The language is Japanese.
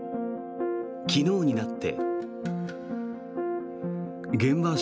昨日になって。